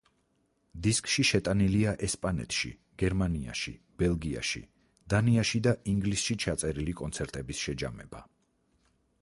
დისკში შეტანილია ესპანეთში, გერმანიაში, ბელგიაში, დანიაში და ინგლისში ჩაწერილი კონცერტების შეჯამება.